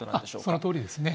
そのとおりですね。